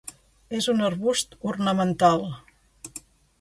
És un arbust ornamental.